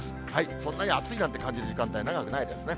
そんなに暑いなんて感じる時間帯、長くないですね。